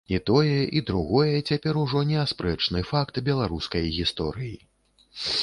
І тое, і другое цяпер ужо неаспрэчны факт беларускай гісторыі.